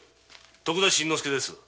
徳田新之助です。